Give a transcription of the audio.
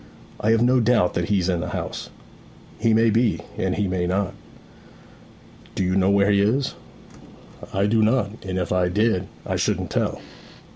'I have no doubt that he's in the house.' 'He may be; and he may not.' 'Do you know where he is?' 'I do not; and if I did I shouldn't tell.'